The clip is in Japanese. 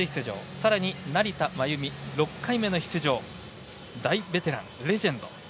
さらに成田真由美６回目の出場大ベテラン、レジェンド。